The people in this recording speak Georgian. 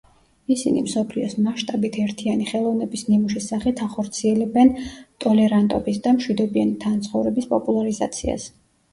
ისინი მსოფლიოს მასშტაბით ერთიანი ხელოვნების ნიმუშის სახით ახორციელებენ ტოლერანტობის და მშვიდობიანი თანაცხოვრების პოპულარიზაციას.